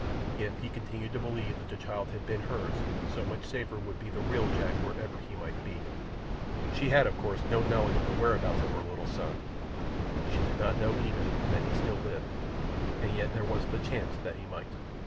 If he continued to believe that the child had been hers, so much safer would be the real Jack wherever he might be. She had, of course, no knowledge of the whereabouts of her little son—she did not know, even, that he still lived, and yet there was the chance that he might.